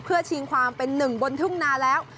เพื่อชิงความเป็นหนึ่งบนทุ่งนาแล้ว